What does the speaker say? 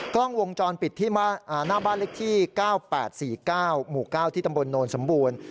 กล้องวงจรปิดที่หน้าบ้านเลขที่๙๘๔๙หมู่๙ที่ตำบลโนนสมบูรณ์